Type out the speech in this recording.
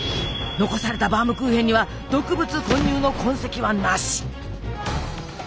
残されたバームクーヘンには毒物混入の痕跡はなし！